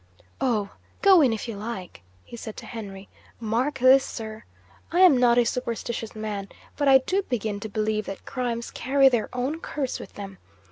'Oh, go in, if you like!' he said to Henry. 'Mark this, sir! I am not a superstitious man; but I do begin to believe that crimes carry their own curse with them.